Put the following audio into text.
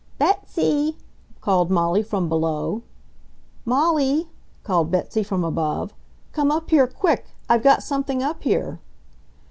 "Betsy!" called Molly from below. "Molly!" called Betsy from above. "Come up here quick! I've got something up here."